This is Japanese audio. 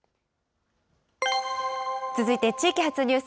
続いて地域発ニュース。